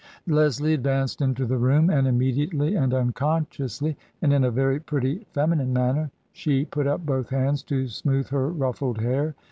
Leslie advanced into the room, and immediately and unconsciously, and in a very pretty feminine manner, she put up both hands to smooth her ruffled hair.